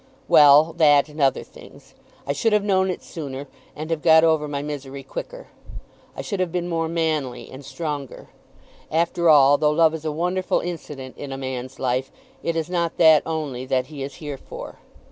"Well, that and other things. I should have known it sooner, and have got over my misery quicker. I should have been more manly and stronger. After all, though love is a wonderful incident in a man's life, it is not that only that he is here for.